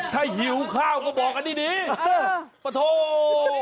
ถ้าหิวข้าวก็บอกกันได้ดิประโทษ